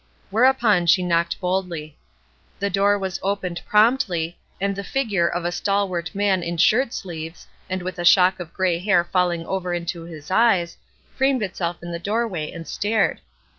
Whereupon she knocked boldly. The door was opened promptly, and the figure of a stalwart man in shirt sleeves, and with a shock of gray hair falling over into his eyes, framed itself in the doorway and stared.